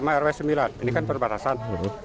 iya rw satu sama rw sembilan ini kan perbatasan